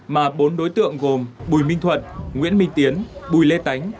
mà bốn đối tượng gồm bùi minh thuận nguyễn minh tiến bùi lê tánh